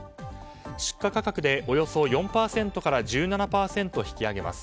出荷価格でおよそ４％から１７％引き上げます。